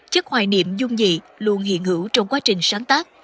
chất hoài niệm dung dị luôn hiện hữu trong quá trình sáng tác